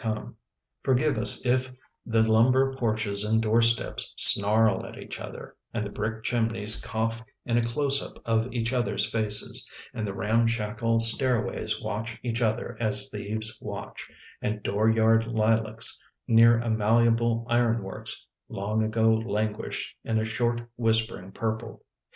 The Windy City Forgive us if the lumber porches and doorsteps Snarl at each other — And the brick chimneys cough in a close up of Each other's faces — And the ramshackle stairways watch each other As thieves watch — And dooryard lilacs near a malleable iron works Long ago languished In a short whispering purple.